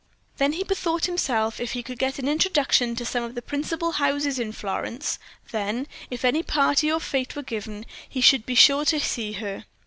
Then he bethought himself if he could get an introduction to some of the principal houses in Florence; then if any party or fete were given, he should be sure to see her.